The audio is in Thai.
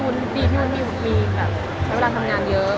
ดีที่มันมีแบบใช้เวลาทำงานเยอะ